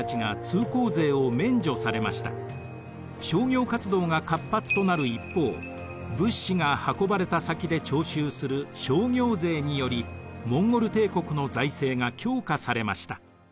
商業活動が活発となる一方物資が運ばれた先で徴収する商業税によりモンゴル帝国の財政が強化されました。